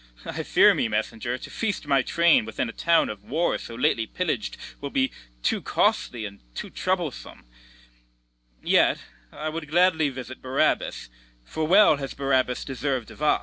I fear me, messenger, to feast my train Within a town of war so lately pillag'd, Will be too costly and too troublesome: Yet would I gladly visit Barabas, For well has Barabas deserv'd of us.